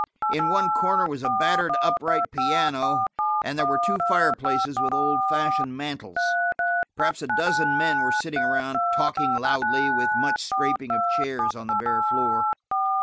In one corner was a battered upright piano, and there were two fireplaces with old fashioned mantels. Perhaps a dozen men were sitting around, talking loudly, with much scraping of chairs on the bare floor.